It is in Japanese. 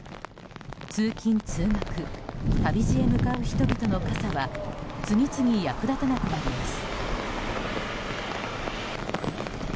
通勤・通学旅路へ向かう人々の傘は次々、役立たなくなります。